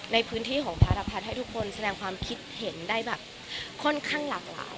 ในพื้นที่ของพระรพัฒน์ให้ทุกคนแสดงความคิดเห็นได้แบบค่อนข้างหลากหลาย